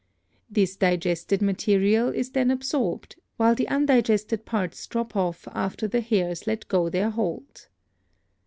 This digested material is then absorbed, while the undigested parts drop off after the hairs let go their hold.